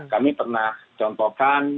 kami pernah contohkan